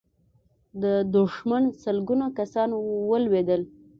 د دښمن لسګونه کسان ولوېدل.